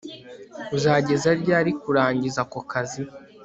uzageza ryari kurangiza ako kazi